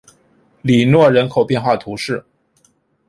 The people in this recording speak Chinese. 里诺人口变化图示